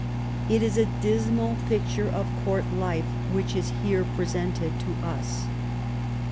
It is a dismal picture of Court life which is here presented to us.